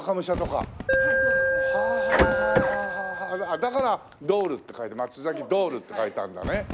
だからドールって書いて松崎ドールって書いてあるんだね。